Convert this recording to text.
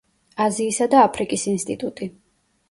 აზიისა და აფრიკის ინსტიტუტი.